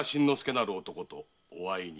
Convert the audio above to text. なる男とお会いに。